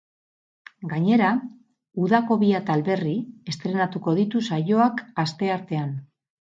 Gainera, udako bi atal berri estreinatuko ditu saioak asteartean.